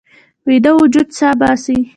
ویده وجود سا باسي